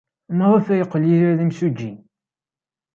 Maɣef ay yeqqel Yidir d imsujji?